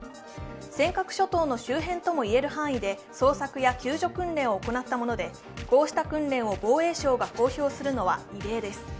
尖閣諸島の周辺ともいえる範囲で捜索や救助訓練を行ったもので、こうした訓練を防衛省が公表するのは異例です。